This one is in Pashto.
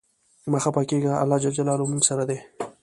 مه خپه کیږه ، الله ج له مونږ سره دی.